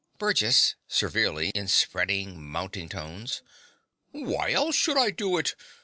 BURGESS (severely, in spreading, mounting tones). Why else should I do it?